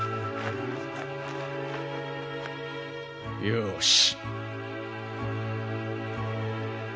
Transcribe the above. よし。